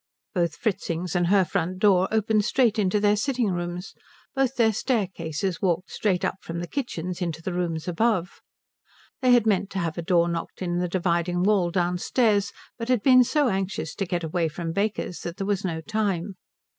Both Fritzing's and her front door opened straight into their sitting rooms; both their staircases walked straight from the kitchens up into the rooms above. They had meant to have a door knocked in the dividing wall downstairs, but had been so anxious to get away from Baker's that there was no time.